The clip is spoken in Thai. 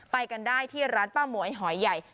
ไปกันได้ที่ร้านป้าหมวยหอยใหญ่